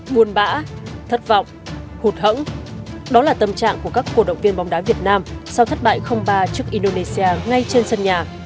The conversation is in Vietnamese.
buồn bã thất vọng hụt hẫng đó là tâm trạng của các cổ động viên bóng đá việt nam sau thất bại ba trước indonesia ngay trên sân nhà